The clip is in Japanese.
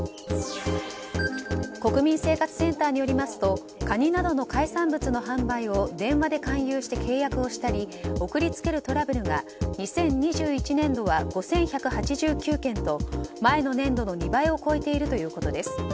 国民生活センターによりますとカニなどの海産物の販売を電話で勧誘して契約をしたり送り付けるトラブルが２０２１年度は５１８９件と前の年度の２倍を超えているということです。